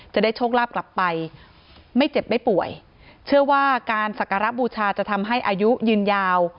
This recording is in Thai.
จะได้โชคลาภกลับไปไม่เจ็บไม่ป่วยเชื่อว่าการสักการะบูชาจะทำให้อายุยืนยาว